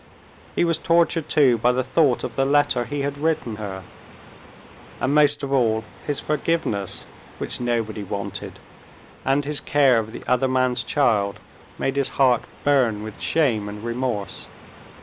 He was tortured too by the thought of the letter he had written her; and most of all, his forgiveness, which nobody wanted, and his care of the other man's child made his heart burn with shame and remorse.